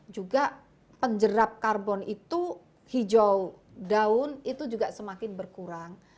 juga penjerap karbon itu hijau daun itu juga semakin berkurang